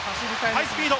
ハイスピード。